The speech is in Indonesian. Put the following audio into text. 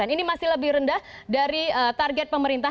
ini masih lebih rendah dari target pemerintah